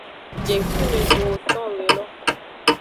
Jengkuime ʼzowo con ewe lo.